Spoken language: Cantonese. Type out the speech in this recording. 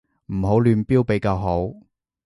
唔好亂標比較好